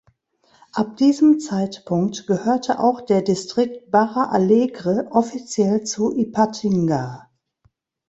Ab diesem Zeitpunkt gehörte auch der Distrikt Barra Alegre offiziell zu Ipatinga.